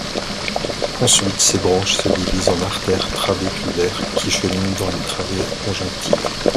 Ensuite ces branches se divisent en artères trabéculaires qui cheminent dans les travées conjonctives.